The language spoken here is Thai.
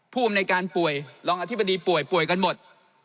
อำนวยการป่วยรองอธิบดีป่วยป่วยกันหมด